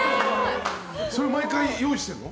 毎回、用意してるの？